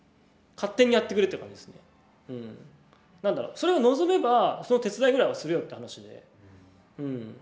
それを望めばその手伝いぐらいはするよって話で。